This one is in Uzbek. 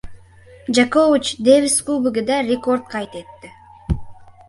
Jokovich “Devis kubogi”da rekord qayd etdi